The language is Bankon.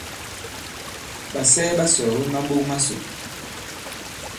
Ɓàsɛɛ ɓa sɔ̀ɔ̀we maɓok masò.